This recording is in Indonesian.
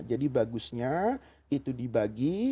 jadi bagusnya itu dibagi